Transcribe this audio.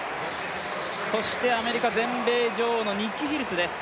そしてアメリカ全米女王のニッキ・ヒルツです。